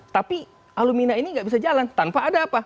tapi alumina ini nggak bisa jalan tanpa ada apa